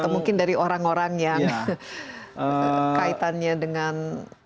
atau mungkin dari orang orang yang kaitannya dengan kriminalitas